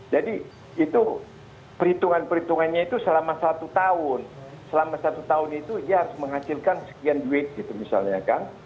jadi itu perhitungan perhitungannya itu selama satu tahun selama satu tahun itu dia harus menghasilkan sekian duit gitu misalnya kan